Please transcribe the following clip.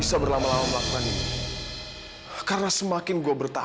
kenapa lu pake kacamata itu